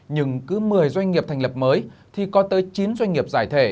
nhưng cứ một mươi doanh nghiệp thành lập mới thì có tới chín doanh nghiệp giải thể